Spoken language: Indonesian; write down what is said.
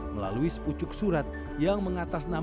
melalui sepucuk surat yang mengatas nama baduy